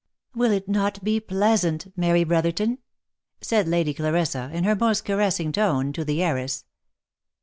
" Will it not be pleasant, Mary Brotherton ?" said Lady Clarissa, in her most caressing tone, to the heiress.